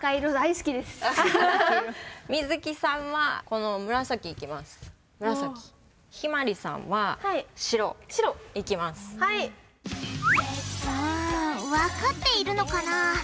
うんわかっているのかな？